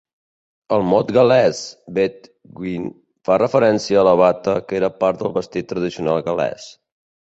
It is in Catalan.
El mot gal·lès "betgwn" fa referència a la bata que era part del vestit tradicional gal·lès.